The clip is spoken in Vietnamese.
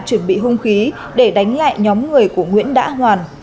chuẩn bị hung khí để đánh lại nhóm người của nguyễn đã hoàn